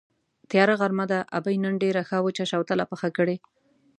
تیاره غرمه ده، ابۍ نن ډېره ښه وچه شوتله پخه کړې.